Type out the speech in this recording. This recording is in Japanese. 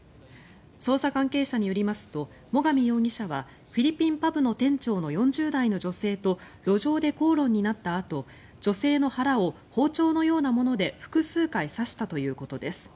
捜査関係者によりますと最上容疑者はフィリピンパブの店長の４０代の女性と路上で口論になったあと女性の腹を包丁のようなもので複数回刺したということです。